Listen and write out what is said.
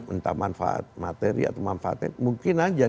entah manfaat materi atau manfaatnya mungkin aja